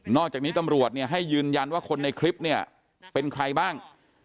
จากนี้ตำรวจเนี่ยให้ยืนยันว่าคนในคลิปเนี่ยเป็นใครบ้าง